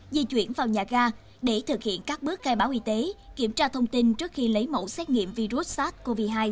di chuyển vào nhà ga để thực hiện các bước khai báo y tế kiểm tra thông tin trước khi lấy mẫu xét nghiệm virus sars cov hai